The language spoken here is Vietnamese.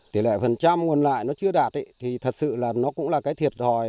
tỷ lệ phần trăm nguồn lại nó chưa đạt ấy thì thật sự là nó cũng là cái thiệt hồi